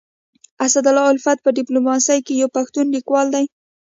اسدالله الفت په ډيپلوماسي کي يو پښتون ليکوال دی.